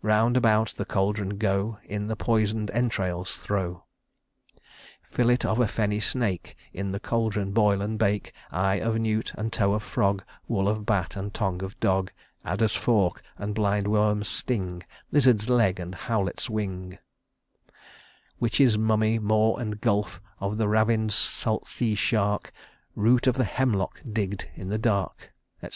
"Round about the caldron go; In the poison'd entrails throw. Fillet of a fenny snake, In the caldron boil and bake; Eye of newt and toe of frog, Wool of bat and tongue of dog, Adder's fork and blind worm's sting, Lizard's leg and howlet's wing: Witches' mummy; maw and gulf Of the ravin'd salt sea shark, Root of hemlock digg'd i' the dark," etc.